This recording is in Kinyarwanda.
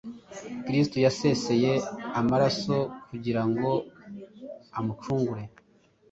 Kristo yaseseye amaraso kugira ngo amucungure.